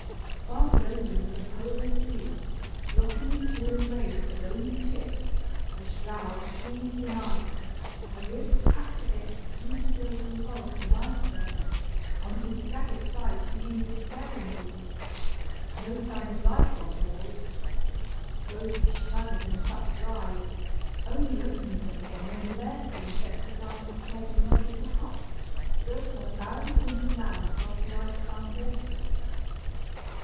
Far below them was a polar sea, locking in chill embrace a lonely ship, her shrouds sheathed in ice, her ribs cracked against the huge silvery bulk of an iceberg, on whose jagged side she leaned despairingly no sign of life on board. Rosy shuddered and shut her eyes, only opening them again when the bear skin set her down at the side of an odd little hut, built on a barren point of land above the ice bound water.